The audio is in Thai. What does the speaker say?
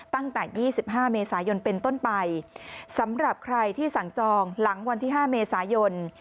ตั้งแต่๒๕เมษายนเป็นต้นไปสำหรับใครที่สั่งจองหลังวันที่๕เมษายน